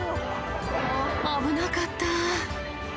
危なかった。